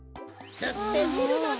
すってみるのだ！